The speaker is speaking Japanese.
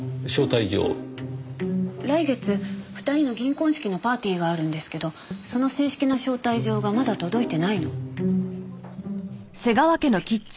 来月２人の銀婚式のパーティーがあるんですけどその正式な招待状がまだ届いてないの。